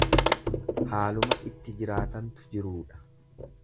Haaluma itti jiraatantu jiruudha.